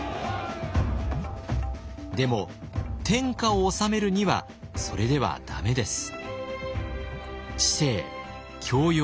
でも天下を治めるにはそれではダメです。